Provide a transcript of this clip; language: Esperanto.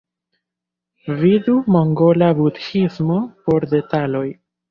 Vidu mongola Budhismo por detaloj.